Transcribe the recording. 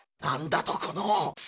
なんだとこの。